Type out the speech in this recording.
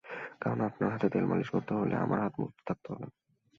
কারণ আপনার হাতে তেল মালিশ করতে হলে আমার হাত মুক্ত থাকতে হবে।